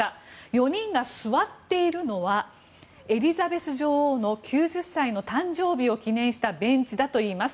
４人が座っているのはエリザベス女王の９０歳の誕生日を記念したベンチだといいます。